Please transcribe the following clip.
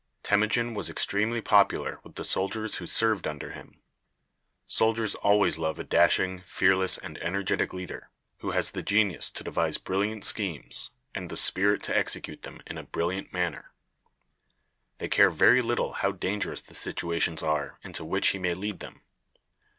Temujin was extremely popular with the soldiers who served under him. Soldiers always love a dashing, fearless, and energetic leader, who has the genius to devise brilliant schemes, and the spirit to execute them in a brilliant manner. They care very little how dangerous the situations are into which he may lead them.